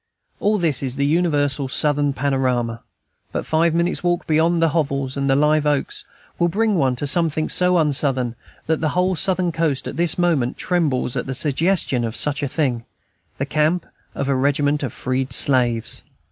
All this is the universal Southern panorama; but five minutes' walk beyond the hovels and the live oaks will bring one to something so un Southern that the whole Southern coast at this moment trembles at the suggestion of such a thing, the camp of a regiment of freed slaves.